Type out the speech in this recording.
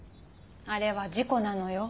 あれは事故なのよ。